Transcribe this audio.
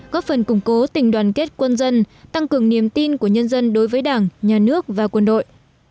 góp phần củng cố tình đoàn kết quân dân tăng cường niềm tin của nhân dân đối với đảng nhà nước và quân đội